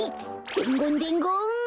でんごんでんごん！